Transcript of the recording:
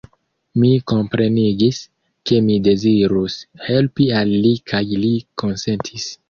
Mi komprenigis, ke mi dezirus helpi al li kaj li konsentis.